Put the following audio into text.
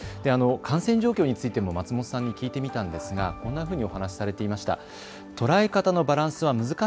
感染状況についても松本さんに聞いてみたんですがこんなふうにお話しされていました。